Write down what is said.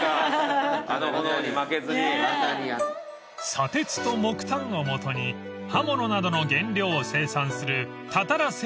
［砂鉄と木炭をもとに刃物などの原料を生産するたたら製鉄］